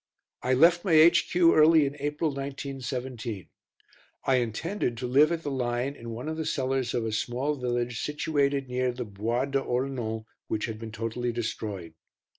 I left my H.Q. early in April, 1917. I intended to live at the line in one of the cellars of a small village situated near the Bois de Holnon, which had been totally destroyed.